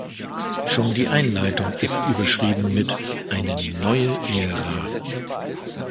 Schon die Einleitung ist überschrieben mit "Eine neue Ära".